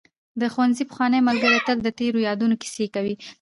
د ښوونځي پخواني ملګري تل د تېرو یادونو کیسې کوي.